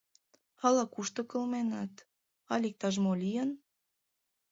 — Ала-кушто кылменат, але иктаж-мо лийын.